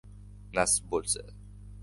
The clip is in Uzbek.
Nasib bo‘lsa!